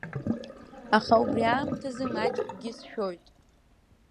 Аха убри аамҭаз маҷкгьы сшәоит.